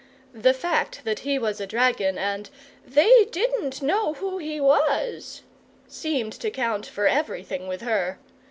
The fact that he was a dragon and "they didn't know who he was" seemed to count for everything with her.